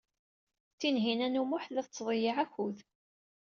Tinhinan u Muḥ tella tettḍeyyiɛ akud.